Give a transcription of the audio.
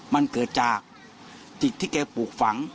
มันเกิดจากจิตที่แกปลูกฝัง